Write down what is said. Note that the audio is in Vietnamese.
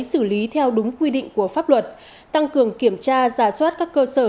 xử lý theo đúng quy định của pháp luật tăng cường kiểm tra giả soát các cơ sở